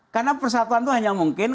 karena persatuan itu hanya mungkin